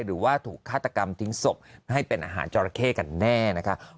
หรือว่าถูกฆาตกรรมทิ้งศพให้เป็นอาหารจราเข้กันแน่นะคะ